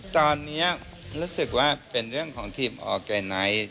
ตอนนี้รู้สึกว่าเป็นเรื่องของทีมออร์แกไนท์